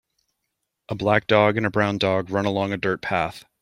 A black dog and a brown dog run along a dirt path.